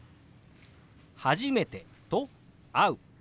「初めて」と「会う」。